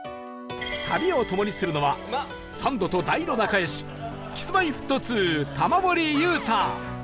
旅を共にするのはサンドと大の仲良し Ｋｉｓ−Ｍｙ−Ｆｔ２ 玉森裕太